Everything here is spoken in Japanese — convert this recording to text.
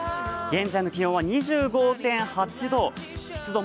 現在の気温は２５．８度。